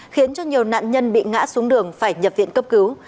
khiến cho nhiều nạn nhân bị ngã xuống đường phải nhập viện cấp cứu